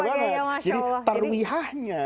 pak gaya masya allah jadi terwihahnya